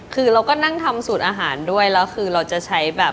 คือเราก็นั่งทำสูตรอาหารด้วยแล้วคือเราจะใช้แบบ